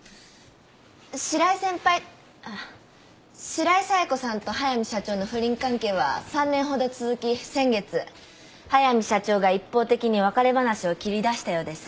白井冴子さんと早見社長の不倫関係は３年ほど続き先月早見社長が一方的に別れ話を切り出したようです。